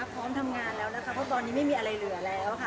พร้อมทำงานแล้วนะคะเพราะตอนนี้ไม่มีอะไรเหลือแล้วค่ะ